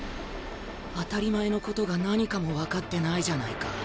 当たり前のことが何かも分かってないじゃないか君は！